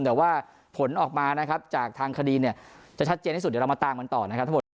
แต่ว่าผลออกมาจากทางคดีจะชัดเจนที่สุดเดี๋ยวเรามาตามเหมือนต่อนะครับ